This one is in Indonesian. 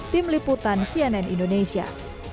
tim liputan cnn indonesia